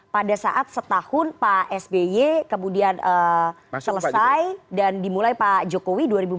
pada saat setahun pak sby kemudian selesai dan dimulai pak jokowi dua ribu empat belas